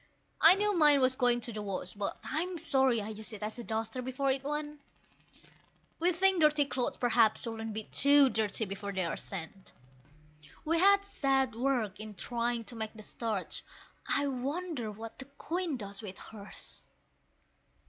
I knew mine was going to the wash, but I'm sorry I used it as a duster before it went; We think dirty clothes perhaps shouldn't be too dirty before they are sent. We had sad work in trying to make the starch I wonder what the Queen does with hers?